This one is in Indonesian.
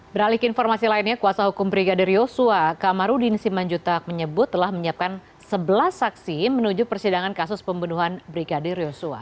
beralik informasi lainnya kuasa hukum brigadir yosua kamarudin simanjutak menyebut telah menyiapkan sebelas saksi menuju persidangan kasus pembunuhan brigadir yosua